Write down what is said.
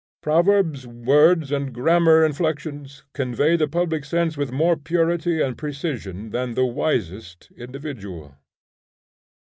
Proverbs, words, and grammar inflections convey the public sense with more purity and precision than the wisest individual.